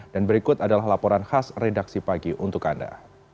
dan berikut adalah laporan khas redaksi pagi untuk anda